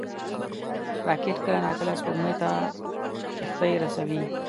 راکټ کله ناکله سپوږمۍ ته کښتۍ رسوي